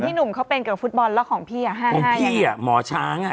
ของพี่หนุ่มเขาเป็นกับฟุตบอลแล้วของพี่อ่ะห้าห้ายังไงของพี่อ่ะหมอช้างอ่ะ